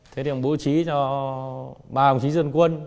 thế thì bố trí cho ba bố trí dân quân